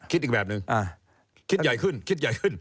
คิดอีกแบบนึงคิดใหญ่ขึ้น